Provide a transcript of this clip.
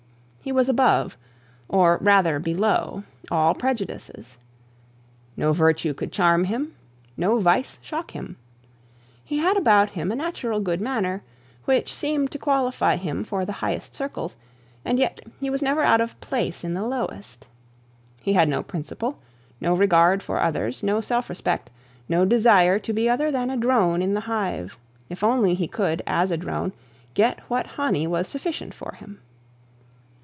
He was above, or rather below, all prejudices. No virtue could charm him, no vice shock him. He had about him a natural good manner, which seemed to qualify him for the highest circles, and yet he was never out of place in the lowest. He had no principle, no regard for others, no self respect, no desire to be other than a drone in a hive, if only he could, as a drone, get what honey was sufficient for him.